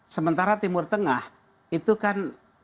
sementara timur tengah itu kan